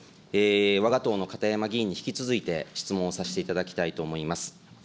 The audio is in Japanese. わが党の片山議員に引き続いて、質問させていただきたいと思います。